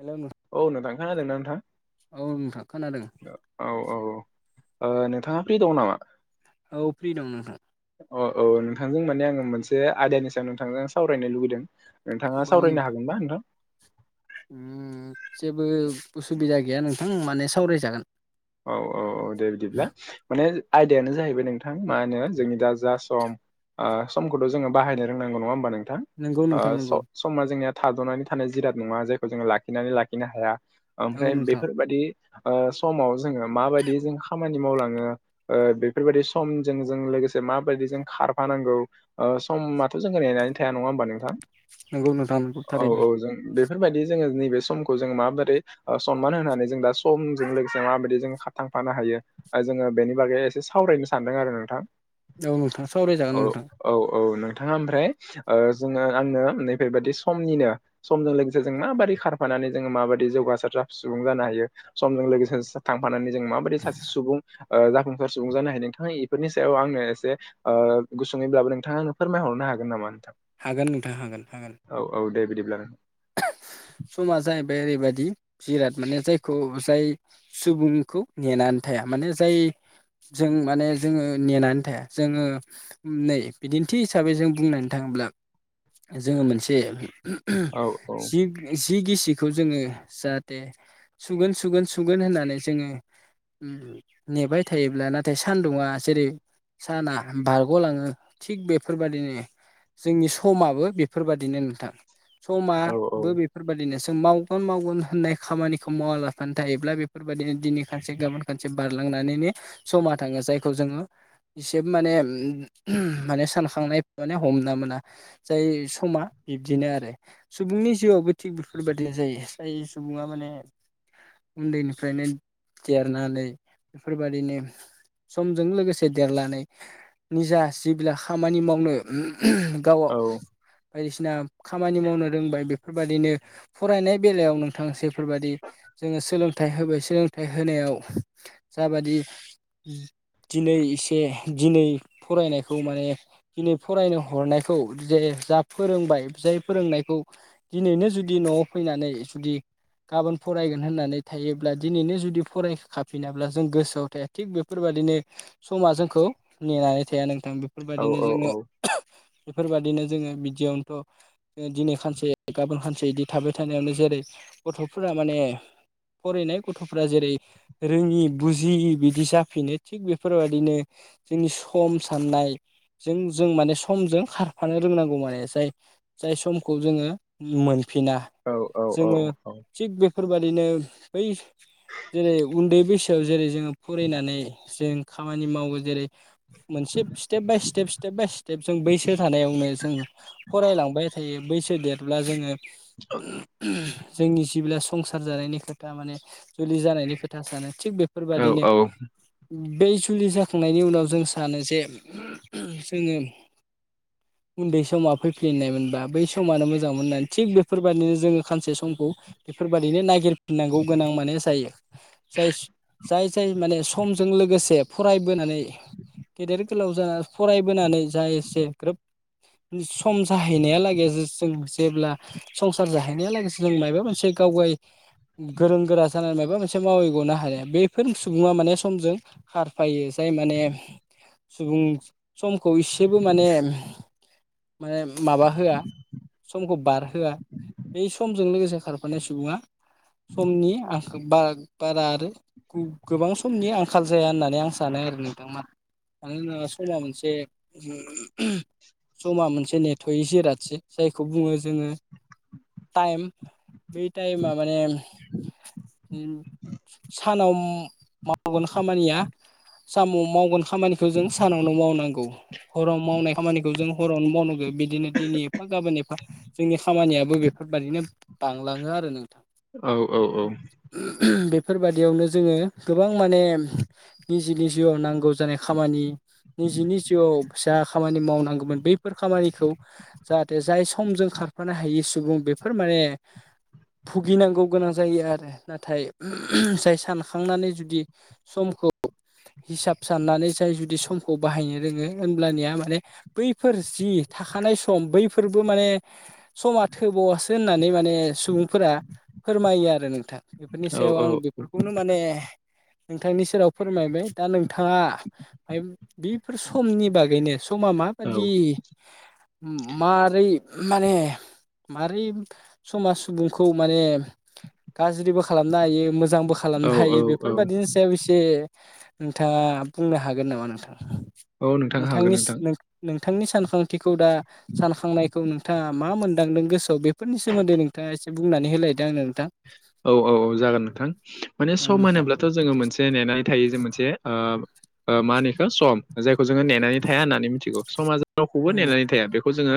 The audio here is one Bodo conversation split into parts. हेल' नों औ नोंथां। खोनादोंना नोंथां? औ नोंथां खोनादों। ओ औ औ ओ नोंथाङा फ्रि दं नामा? औ फ्रि दं नोंथां। अ औ नोंथांजों माने आङो मोनसे आयदानि सायाव नोंथांजों आं सावरायनो लुुगैदों। नोंथाङा औ सावरायनो नोंथां हागोनबा नोंथां? उम जेबो उसुबिदा गैया नोंथां माने सावरायजागोन। औ औ औ दे बिदिब्ला माने आयदायानो जाहैबाय नोंथां मा होनो जोंनि दा जा सम आ समखौथ' जोङो बाहायनो रोंनांगौ नङा होमबा नोंथां? नोंगौ ओ नोंथां नोंगौ स-समा जोंनिया थाद'नानै थानाय जिराद नङा जायखौ जोङो लाखिनानै लाखिनो हाया। औ आमफ्राय नोंथां बेफोरबायदि ओ समाव जोङो माबायदि जों खामानि मावलाङो ओ बेफोरबायदि समजों जों लोगोसे माबायदि जों खारफानांगौ ओ समाथ' जोंखौ नेनानै थाया नङा होमबा नोंथां? नोंगौ नोंथां नोंगौ औ थारैनो औ जों बे फोरबायदि जोङो नैबे समखौ जों माबोरै ओ सनमान होनानै जों दा समजों लोगोसे माबायदि जो खा थांफानो हायो ओ जोङो बेनि बागै एसे सावरायनो सानदों आरो नोंथां। औ नोंथां औ सावरायजागोन नोंथां। औ औ नोंथाङा ओमफ्राय ओ जोङो आङो नै बेेबादि समनिनो समजों लोगोसे जों माबादि खारफानानै जोङो माबादि जौगासार जा सुबुं जानो हायो समजों लोगोसे जा थांफानानै जों माबादि सासे सुबुं ओ जाफुंसार सुबुं जानो हायो नोंथाङा इफोरनि सायाव आंनो एसे ओ गुसुङैब्लाबो नोंथाङा आंनो फोरमायहरनो हागोन नामा नोंथां? हागोन नोंथां हागोन हागोन। औ औ दे बिदिब्ला। समा जाहैबाय ओरैबादि जिराद माने जायखौ जाय सुबुंखौ नेनानै थाया माने जाय जों माने जोङो नेनानै थाया जोङो नै बिदिन्थि हिसाबै जों बुंनो थाङोब्ला जोङो मोनसे औ औ। उम जि गिसिखौ जोङो जाहाथे सुगोन सुगोन सुगोन होननानै जोङो उम नेबाय थायोब्ला नाथाय सानदुङा जेरै साना बारग'लाङो थिग बेफोरबादिनो जोंनि समाबो बेफोरबादिनो नोंथां समा औ औ बेफोरबादिनो जों मावगोन मावगोन होननाय खामानिखौ मावालाफानो थायोब्ला बेफोरबायदिनो दिनै खारसे गाबोन खानसे बारलांनानैनो समा थाङो जायखौ जोङो इसे माने उम माने सानखांनाय माने हमना मोना। जाय समा बिब्दिनो आरो। सुबुंनि जिउआवबो थिग बेफोरबायदि जायो जाय सुबुङा माने उन्दैनिफ्रायनो देरनानै बेफोरबायदिनो समजों लोगोसे देरलानै निजा जिबिला खामानि मावनो उम गावआव औ बायदिसिना खामानि मावनो रोंबाय बेफोरबादिनो फरायनाय बेलायाव नोंथां जेफोरबादि जोङो सोलोंथाइ होबाय सोलोंथाइ होनायाव जाबादि दिनै एसे दिनै फरायनायखौ माने दिनै फरायनो हरनायखौ जेरै जा फोरोंबाय जाय फोरोंनायखौ दिनैनो जुदि न'आव फैनानै जुदि गाबोन फरायगोन होननानै थायोब्ला दिनैनो जुदि फराय फाफिनाब्ला जों गोसोआव थाया। थिग बेफोरबायदिनो समा जोंखौ नेनानै थाया नोंथां। औ बेफोरबायदिनो औ औ जोङो बेफोरबायादिनो जोङो बिदियावनोथ' दिनै खानसे गाबोन खानसे बिदि थाबाय थानायावनो जेरै गथ'फोरा माने फरायनाय गथ'फ्रा जेरै रोङि बुजिय बिदि जाफिनो थिग बेफोरबायाददिनो जोंनि सम साननायजों जों माने समजों खारफानो रोंनांगौ माने जाय जाय समखौ जोङो मोनफिना औ औ औ जोङो औ थिग बेफोरबायादिनो बै जेरै उन्दै बैसोआव जेरै जोङो फरायनानै जों खामानि मावो जेरै, मोनसे step by step step by step जों बैसो थानायावनो जों फरायलांबाय थायो बैसो देरब्ला जोङो जोंनि जिब्ला संसार जानायनि खोथा माने जुलि जानायनि खोथा सानो थिग औ बेफोरबादिनो बे जुलि जाखांनायनि उनाव जों सानो जे जोङो उन्दै समा फैफिलिनाय मोनबा बै समानो मोजां मोजां मोननानै थिग बेफोरबायदिनो जोङो सानसे समखौ बेफोरबायादिनो नागिरफिननांगौ गोनां माने जायो। जाय जाय माने समजों लोगोसे फरायबोनानै गेदेर गोलाव जाना फरायबोनानै जा एसे ग्रोब सम जाहैनायालागै जों मोनसे जेब्ला संसार जाहैनाया लोगोसे जों माबा मोनसे गाव गाव गोरों गोरा जानानै माबा मोनसे मावैग'नो हाया बफोर सुबुङा माने समजों खारफायो। जाय माने सुबुं समखौ एसेबो माने माने माबा होआ समखौ बारहोआ बे समजों लोगोसे खारफानाय सुबुङा समनि बारा आरो गोबां समनि आंखाल जाया होननानै आं सानो आरो नोंथां। मानो होनोबा समा मोनसे समा मोनसे नेथ'यै जिरादसो जायखौ बुङो जोङो टाइम बै टाइमा माने [inaudible] सानाव मावगोन खामानिया सानाव मावगोन खामानिखौ जों सानावनो मावनांगौ हराव मावनाय खामानिखौ जों हरावनो मावनांगौ। बिदिनो दिनै एफा गाबोन एफा जोंनि खामानियाबो बेफोरबायदिनो बांलाङो आरो नोंथां। औ औ औ। बेफोरबादियावनो जोङो गोबां माने निजेनि जिउआव नांगौ जानाय खामानि निजेनि जिउआव जा खामानि मावनांगौमोन बैफोर खामानिखौ जाहाथे जाय समजों खारफानो हायि सुबुं बेफोर माने भुगिनांगौ गोनां जायो आरो ‌। नाथाय जाय सानखांनानै जुदि समखौ हिसाब साननानै जाय जुदि समखौ बाहायनो रोङो होनोमब्लानिया माने बैफोर जि थाखानाय सम बैफोरबो माने समा थोबावासो होननानै माने सुबुंफोरा फोरमायो आरो नोंथां। बेफोरनि सायाव आं बेफोरखौनो माने नोंथांनि सेराव फोरमायबाय दा नोंथाङा बेफोर समनि बागैनो समा माबादि मारै माने मारै समाज सुबुंखौ माने गाज्रिबो खालामनो हायो मोजांबो औ खालामनो हायो बेफोरबायदिनि सायाव एसे नोंथाङा बुंनो हागोन नामा नोंथां औ नोंथां हागोन नोंथांनिस नोंथां नों नोंथांनि सानखांथिखौ दा सानखांनायखौ नोंथाङा मा मोनदांदों गोसोआव बेफोरनि सोमोन्दै नोंथाङा एसे बुंनानै होलायदो आंनो नोंथां औ औ औ जागोन नोंथां। माने औ सम नोंथां होनोब्लाथ जोङो मोनसे नेनानै थायो जे मोनसे ओ मा होनोइखो सम जायखौ जोङो नेनानै थाया होननानै मिथिगौ समा ज रावखौबो नेनानै थाया बेखौ जोङो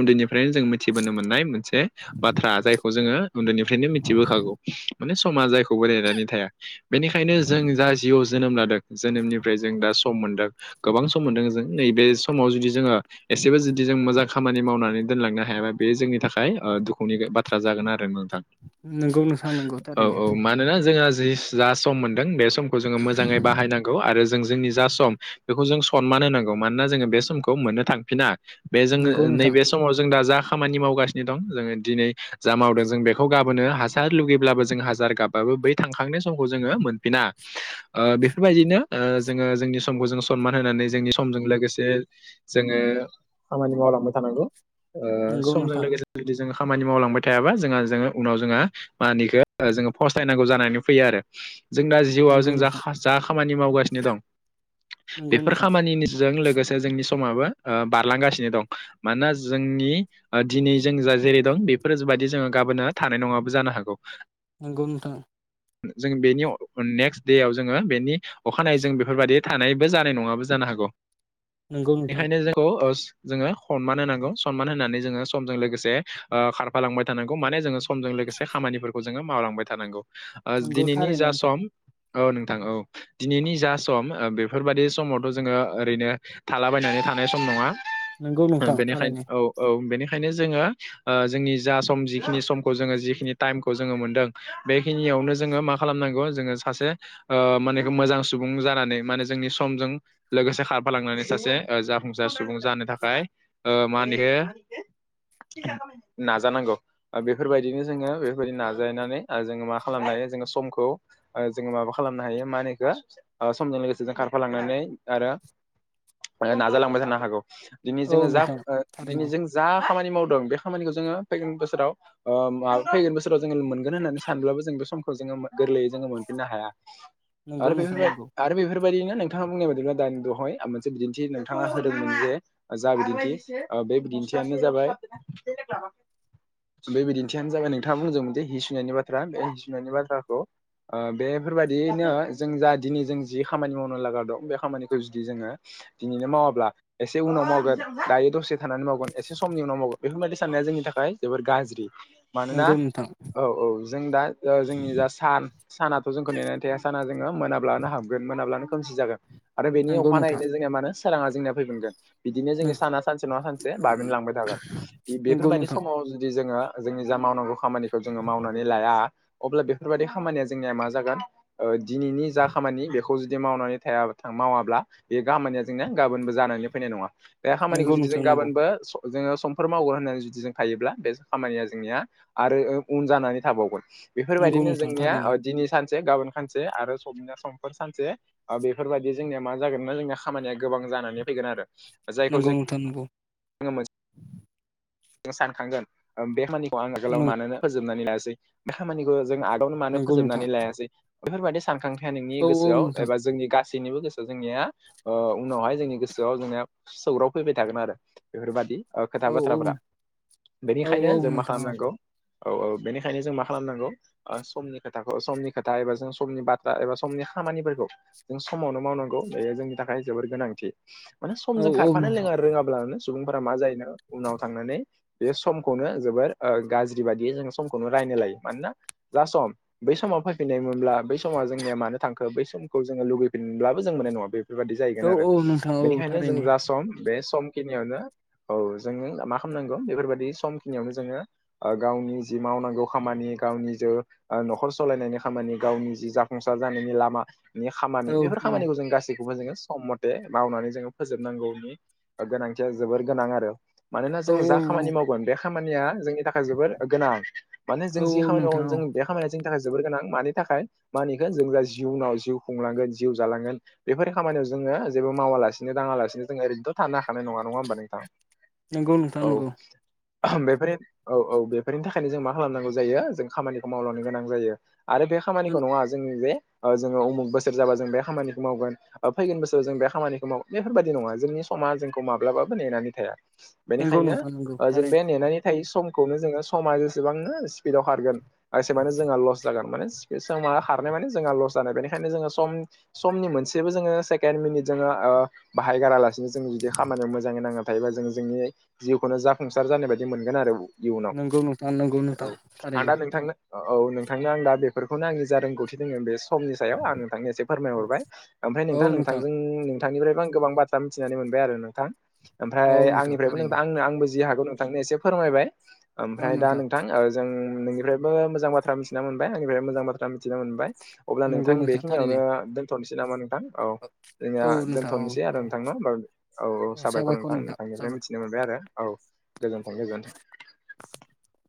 उन्दैनिफ्रायनो जों मिथिबोनो मोननाय मोनसे बाथ्रा जायखौ जोङो उन्दैनिफ्रायनो मिथिबोखागौ माने समा जायखौबो नेनानै थाया बेनिखायनो जों जा जिउ जोनोम लादों जोनोमनिफ्राय जों दा सम मोनदों गोबां सम मोनदों जों नैबे समाव जुदि जोङो एसेबो जुदि जों मोजां खामानि मावनानै दोनलांनो हायाबा बे जोंनि थाखाय ओ दुखुनि बाथ्रा जागोन आरो नों नोंगौ नोंथां नोंगौ औ औ मानोना जोंहा जि जा सम मोनदों बे समखौ जोङो मोजाङै बाहायनां गौ आरो जों जोंनि जा सम बेखौ जों सनमान होनांगौ मानोना जोङो बे समखौ मोननो थांफिना बे जोङो नंगौ नोंथां नैबे समाव जों दा जा खामानि मावगासिनो दं जोङो दिनै जा मावदों जों बेखौ गाबोनो हाजार लुगैब्लाबो जों हाजार गाबाबो बै थांखांनाय समखौ जोङो मोनफिना ओ बेफोरबायदिनो ओ जोङो जोंनि समखौ जों सनमान होनानै जोंनि समजों लोगोसे जोङो खामानि मावलांबाय थानांगौ ओ नंगौ समजों नोंथां लोगोसे जुदि जों खामानि मावलांबाय थायाबा जोंहा जोङो उनाव जोंहा मा होनो इखो ओ जोङो फसथायनांगौ जानानै फैयो आरो जों दा जिउआव नंगौ जों जा नोंथां हास जा खामानि मावगासिनो दं बेफोर खामानिनिजों लोगोसे जोंनि समाबो ओ बारलांगासिनो दं मानोना जोंनि ओ दिनै जों जा जेरै दं बेफोर बायदि जोङो गाबोनो थानाय नङाबो जानो हागौ नोंगौ नोंथां जों बेनि नेक्स्ट देआव जोङो बेनि अखानायैजों बेफोरबायादि थानायबो जानाय नङाबो जानो हागौ नंगौ नोंथां नंगौ नोंथां एखायनो जों खौ ओस जोङो हनमान होनांगौ सनमान होनानै जोङो समजों लोगोसे ओ खारफा फालांबाय थानांगौ माने जोङो समजों लोगोसे खामानिफोरखौ जोङो मावलांबाय थानांगौ ओ नंगौ दिनैनि थारैनो जा नोंथां सम औ नोंथां औ दिनैनि जा सम ओ बेफोरबायदि समावथ' जोङो ओरैनो थालाबायनानै थानाय सम नङा नंगौ [unintelligible] नोंथां बेनिखायनो थारैनो औ औ बेनिखायनो जोङो ओ जोंनि जा सम जिखिनि समखौ जोङो जिखिनि टाइम खौ जोङो मोनदों बेखिनियावनो जोङो मा खालामनांगौ जोङो सासे ओ माने एखो मोजां सुबुं जानानै माने जोंनि समजों लोगोसे खारफालांनानै सासे ओ जाफुंसार सुबुं जानो थाखाय ओ मा होनो इखो नाजानांगौ ओ बेफोरबायदिनो जोङो बे बेफोरबायदि नाजानानै ओ जोङो मा खालामनो हायो जोङो समखौ ओ जोङो माबा खालामनो हायो मा होनो इखो ओ समजों लोगोसे जों खारफालांनानै आरो नाजालांबाय थानो हागौ दिनै औ जोङो जा नोंथां ओ दिनै थारैनो जों जा खामानि मावदों बे खामानिखौ जोङो फैगोन बोसोराव ओ [unintelligible] फैगोन बोस राव जोङो मोनगोन होननानै सानब्लाबो जों बे समखौ जोङो गोरलैयै जोङो मोनफिननो हाया नंगौ आरो नोंथां बेफोर बाय नंगौ आरो बेफोर फोरबायदिनो नोंथाङा बुंनाय बायदिब्ला दानि दहाय मोनसे बिदिन्थि नोंथाङा होदोंमोन जे जा बिदिन्थि ओ बे बिदिन्थियानो जाबाय बे बिदिन्थियानो जाबाय नोंथाङा बुंदोंमोनजे हि सुनायनि बाथ्रा बे हि सुनायनि बाथ्राखौ ओ बेफोरबायदियैनो जों जा दिनै जों जि खामानि मावनो लागा दं बे खामानिखौ जुदि जोङो दिनैनो मावाब्ला एसे उनाव मावगोन, दायो दसे थानानै मावगोन, एसे समनि उनाव मावगोन, बेफोरबायदि साननाया जोंनि थाखाय जोबोर गाज्रि। मानोना नोंगौ नोंथां। औ औ जों दा ओ जोंनि जा सान सानाथ' जोंखौ नेनानै थाया साना जोंङो मोनाब्लानो हाबगोन मोनाब्लानो खोमसि जागोन। आरो बेनि नंगौ नोंथां अखानायैनो जोंनिया मानो सोराङा जोंना फैफिगोन। बिदिनो जोंङो साना सानसे नङा सानसे बाबेन लांबाय थागोन नंगौ बेफोरबायदि नोंथां समाव जुदि जोङो जोंनि जा मावनांगौ खामानिखौ जोङो मावनानै लाया अब्ला बेफोरबायदि खामानिया जोंनिया मा जागोन ओ दिनैनि जा खामानि बेखौ जुदि मावनानै थायाबा था मावाब्ला बे खामानिया जोंनाया गाबोनबो जानानै फैनाय नङा। बे खामानिखौ नंगौ जुदि जों नोंथां नंगौ गाबोनबो स जोङो समफोर मावगोन होननानै जुदि जों थायोब्ला बे खामानिया जोंनिया आरो ओ उन जानानै थाबावगोन, नंगौ बेफोरबायदिनो नोंथां जोंनिया थारैनो दिनै सानसे गाबोन सानसे आरो समनिया समफोर सानसे ओ बेफोरबादि जोंनिया मा जागोनो जोंनिया खामानिया गोबां जानानै फैगोन आरो। नंगौ नोंथां नंगौ। आंङो मोनसे [inaudible] सानखांगोन बे खामानिखौ आंङो आगोलाव मानो फोजोबनानै लायासै बे खामानिखौ जों आगोलावनो मानो नंगौ नोंथां फोजोबनानै लायासै बेफोरबायदि सानखां [unintelligible] नोंनि औ औ गोसोआव नोंथां एबा जोंनि गासैनिबो गोसोआव जोंनिया अ उनावहाय जोंनि गोसोआव जोंङो सौग्राव फैबाय थागोन आरो। बेफोरबादि ओ खोथा औ औ बाथ्राफोरा, औ औ बेनिखायनो जों मा नोंथां खालामनांगौ औ औ बेनिखायनो जों मा खालामनांगौ ओ समनि खोथाखौ समनि खोथा एबा जों समनि बाथ्रा एबा समनि खामानिफोरखौ जों समावनो मावनांगौ बेयो जोंनि थाखाय जोबोर गोनांथि माने औ समजों औ खारफानो नोंथां लोङा रोङाब्लानो सुबुंफोरा मा जायोनो उनाव थांनानै बे समखौनो जोबोर ओ गाज्रि बादियै जों समखौनो रायनो लायो मानोना जा सम बै समाव फैफिननायमोनब्ला बै समाव जोंनिया मानो थांखो बै समखौ जोंङो लुगैफिनब्लाबो जों मोननाय नंङा बे बेफोरबादि जाहैगोन औ आरो औ नोंथां औ बेनिखायनो जों थारैनो जा सम बे सम नियावनो ओ गावनि जि मावनांगौ खामानि गावनि जो ओ न'खर सालायनायनि खामानि गावनि जि जाफुंसार जानायनि लामा नि खामानि औ बेफोर खामानिखौ जों गासैखौबो जोंङो सम मद बे मावनानै जोंङो फोजोबनांगौनि गोनांथिया जोबोर गोनां आरो। मानोना औ जों जा औ खामानि मावगोन बे खामानिया जोंनि थाखाय जोबोर गोनां। माने जों औ जि खामानि नोंथां मावगोन औ जों बे खामानिया जोंनि थाखाय जोबोर गोनां मानि थाखाय मा होनो इखो जों जा जिउनाव जिउ खुंलांगोन जिउ जालांगोन बेफोर खामानियाव जोंङो जेबो मावालासिनो दांङालासिनो जोंङो ओरैनोथ' थानो हाखानाय नङा। नङा होनबा नोंथां नंगौ नोंथां औ। नंगौ बेफोर औ औ बेफोरनि थाखायनो जों मा खालामनांगौ जायो जों खामानिखौ मावलांनो गोनां जायो। आरो बे खामानिखौ नङा जों जे जोंङो उमुग बोसोर जाबा जों बे खामानिखौ मावगोन फैगोन बोसोराव जों बे खामानिखौ माव बेफोरबादि नङा जोंनि समा जोंखौ माब्लाबाबो नेनानै थाया। नंगौ बेनिखायनो नोंथां नंगौ ओ जों बे थारैनो नेनानै थायि समखौनो जोंङो समा जेसेबांनो स्पिडाव खारगोन एसेबानो जोंहा लस जागोन माने बे समा खारनाय माने जोंहा लस जानाय बेनिखायनो जोंङो सम समनि मोनसेबो जोंङो सेकेण्ड मिनिट जोंङो ओ बाहायगारालासिनो जों जुदि खामानियाव मोजाङै नांना थायोबा जों जोंनि जिउखौनो जाफुंसार जानाय बायदि मोनगोन आरो। इयुनाव नंगौ नोंथां नंगौ औ नोंथां आं दा थारैनो नोंथांनो औ नोंथांनो आं दा बेफोरखौनो आंनि जा रोंगौथि दङ बेस्ट समनि सायाव आं नोंथांनि एसे फोरमायहरबाय। ओमफ्राय औ औ नोंथां नोंथांजों नोंथांनिफ्रायबो आं गोबां बाथ्रा मिथिनानै मोनबाय आरो नोंथां। औ ओमफ्राय नोंथां आंनिफ्रायबो नों थारैनो आंनो आंबो जि हागौ नोंथांनो एसे फोरमायबाय ओमफ्राय दा नोंथां ओ जों नोंनिफ्रायबो मोजां बाथ्रा मिथिना मोनबाय आंनिफ्राय मोजां बाथ्रा मिथिना मोनबाय अब्ला नंगौ नोंथां थारैनो बेखिनियावनो दोनथ'नोसै नामा नोंथां। औ जोंनिया औ नोंथां औ दोनथ'नोसै आरो औ नोंथां न होमबा औ-औ साबायखर नोंथां नोंथांनिफ्राय मिथिनो मोनबाय आरो औ गोजोनथों गोजोनथों [inaudible]